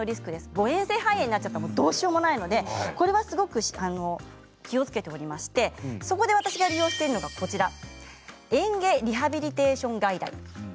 誤えん性肺炎になってしまったらどうしようもないのでこれはすごく気をつけておりましてそこで私が利用しているのがえん下リハビリテーション外来です。